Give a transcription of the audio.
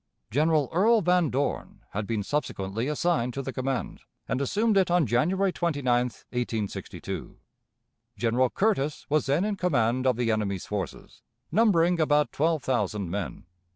General Earl Van Dorn had been subsequently assigned to the command, and assumed it on January 29, 1862. General Curtis was then in command of the enemy's forces, numbering about twelve thousand men.